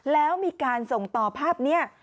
แล้วมีการส่งต่อภาพนี้